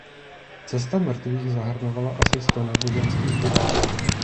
Cesta mrtvých zahrnovala asi sto náboženských budov.